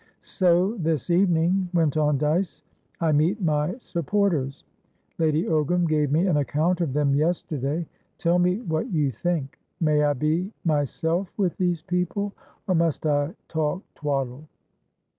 "So, this evening," went on Dyce, "I meet my supporters. Lady Ogram gave me an account of them yesterday. Tell me what you think. May I be myself with these people? Or must I talk twaddle.